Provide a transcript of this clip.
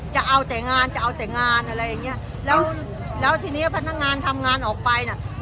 จะเอาแต่งานจะเอาแต่งานอะไรอย่างเงี้ยแล้วแล้วทีเนี้ยพนักงานทำงานออกไปน่ะ